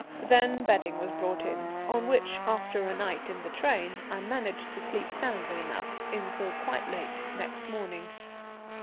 Then bedding was brought in, on which, after a night in the train, I managed to sleep soundly enough until quite late next morning.